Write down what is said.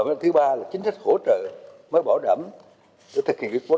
và thứ ba là chính thức hỗ trợ mới bảo đảm để thực hiện việc quân